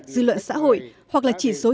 dư luận xã hội hoặc là chỉ số